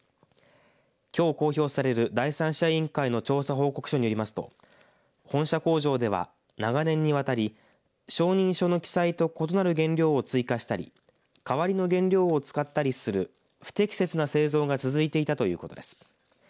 きょう、公表される第三者委員会の調査報告書によりますと本社工場では、長年にわたり承認書の記載と異なる原料を追加したり代わりの原料を使ったりする不適切な製造が続いていたということです。